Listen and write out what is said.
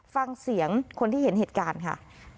ฟังเสียงคนที่เห็นเหตุการณ์ค่ะ